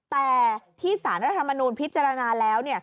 แต่ที่สารรัฐมนูลพิจารณาแล้ว